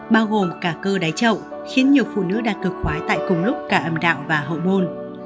bao gồm cả cơ đáy trậu khiến nhiều phụ nữ đang cực khoái tại cùng lúc cả âm đạo và hậu môn